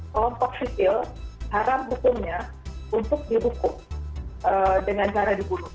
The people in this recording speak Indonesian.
kelompok sipil haram hukumnya untuk dihukum dengan cara dibunuh